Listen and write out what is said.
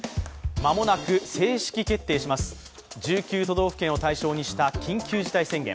間もなく正式決定します、１９都道府県を対象にした緊急事態宣言。